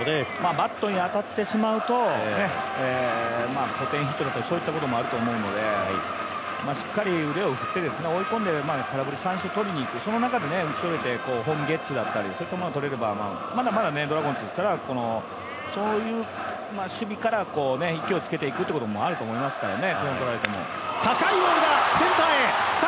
バットに当たってしまうと、ポテーンヒットだったりそういうこともあるのでしっかり腕を振って追い込んで空振り三振を取りにいく、その中で打ち取れてゲッツーだったり取れれば、まだまだドラゴンズそういう守備から勢いつけていくっていうのがあると思いますけどね。